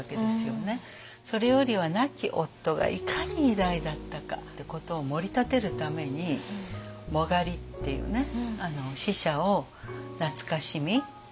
それよりは亡き夫がいかに偉大だったかってことをもり立てるために殯っていうね死者を懐かしみ魂の復活を祈る。